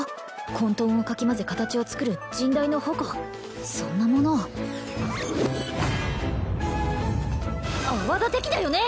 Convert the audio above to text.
混とんをかき混ぜ形を作る神代の矛そんなものを泡立て器だよね！？